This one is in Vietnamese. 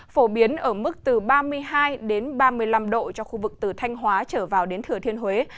phổ biến ở mức từ ba mươi hai ba mươi năm độ cho khu vực từ thanh hóa trở vào đến thừa thiên huế